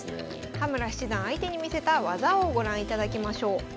田村七段相手に見せた技をご覧いただきましょう。